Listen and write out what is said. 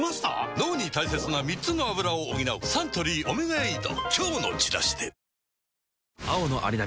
脳に大切な３つのアブラを補うサントリー「オメガエイド」